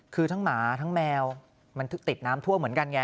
คือทั้งหมาทั้งแมวมันติดน้ำท่วมเหมือนกันไง